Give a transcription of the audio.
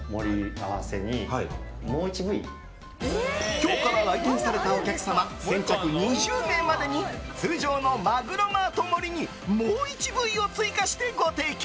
今日から来店されたお客様先着２０名までに通常のマグロマート盛りにもう１部位を追加してご提供。